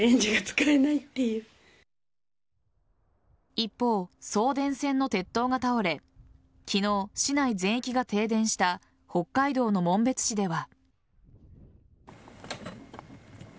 一方、送電線の鉄塔が倒れ昨日、市内全域が停電した北海道の紋別市では。